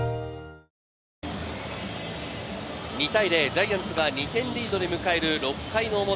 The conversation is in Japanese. ジャイアンツが２点リードで迎える６回表。